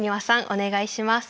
お願いします。